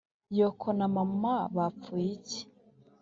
yoko na mama bapfuye iki ?-